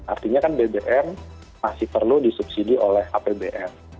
artinya kan bbm masih perlu disubsidi oleh apbn